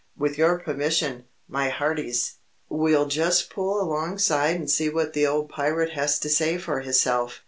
"With your permission, my hearties, we'll just pull alongside and see what the old pirate has to say for hisself."